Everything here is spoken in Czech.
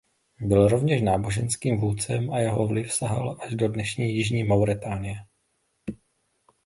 Byl rovněž náboženským vůdcem a jeho vliv sahal až do dnešní jižní Mauritánie.